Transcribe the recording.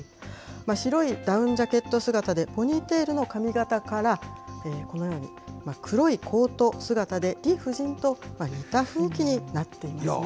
白いダウンジャケット姿でポニーテールの髪形から、このように黒いコート姿で、リ夫人と似た雰囲気になっていますね。